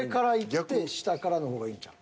下からの方がいいんちゃう？